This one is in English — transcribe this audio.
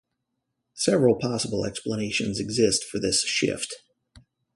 Several possible explanations exist for this shift.